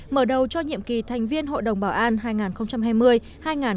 mở đầu cho nhiệm kỳ thành viên hội đồng bảo an hai nghìn hai mươi hai nghìn hai mươi một